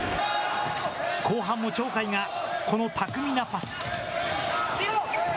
後半も鳥海がこの巧みなパス。